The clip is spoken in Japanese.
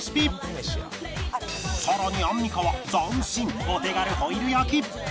さらにアンミカは斬新お手軽ホイル焼き